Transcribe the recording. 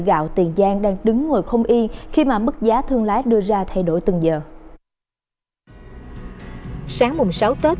gạo tiền giang đang đứng ngồi không y khi mà mức giá thương lái đưa ra thay đổi từng giờ sáng mùng sáu tết